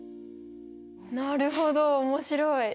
なるほど面白い。